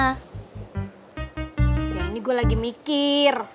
nah ini gue lagi mikir